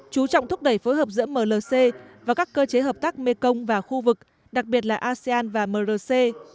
chú trọng thúc đẩy phối hợp giữa mlc và các cơ chế hợp tác mekong và khu vực đặc biệt là asean và mrc